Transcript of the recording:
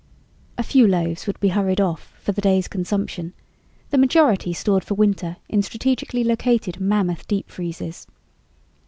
A few loaves would be hurried off for the day's consumption, the majority stored for winter in strategically located mammoth deep freezes.